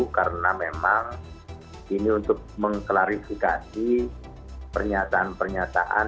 karena memang ini untuk mengklarifikasi pernyataan pernyataan